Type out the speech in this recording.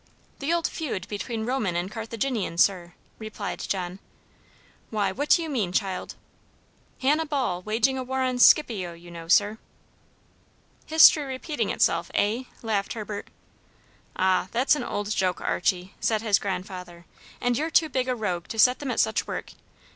"The old feud between Roman and Carthaginian, sir," replied John. "Why, what do you mean, child?" "Hannah Ball waging a war on Skipio, you know, sir." "History repeating itself, eh?" laughed Herbert. "Ah, that's an old joke, Archie," said his grandfather. "And you're too big a rogue to set them at such work.